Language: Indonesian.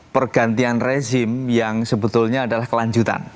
pergantian rezim yang sebetulnya adalah kelanjutan